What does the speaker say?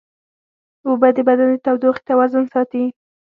اوبه د بدن د تودوخې توازن ساتي